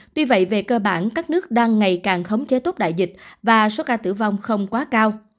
tuy vậy về cơ bản các nước đang ngày càng khống chế tốt đại dịch và số ca tử vong không quá cao